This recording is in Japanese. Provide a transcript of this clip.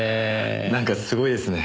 なんかすごいですね。